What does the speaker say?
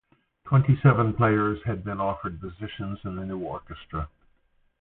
Twenty-seven players had been offered positions in the new orchestra.